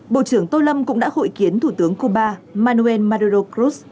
bộ trưởng tô lâm cũng đã hội kiến thủ tướng cuba manuel maduro krus